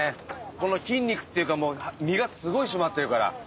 この筋肉っていうかもう身がすごい締まってるから。